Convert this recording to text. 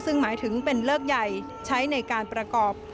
ซึ่งหมายถึงเป็นเลิกใหญ่ใช้ในการประกอบ